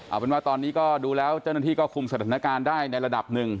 เอาเป็นว่าตอนนี้ก็ดูแล้วเจ้าหน้าที่ควมกับเตอร์ดังนาฬิการได้ในระดับหนึ่ง